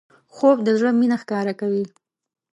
خوب د زړه مینه ښکاره کوي